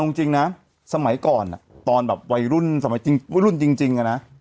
อะวงจริงนะสมัยก่อนอะตอนแบบไว้รุ่นสมัยรุ่นจริงนะ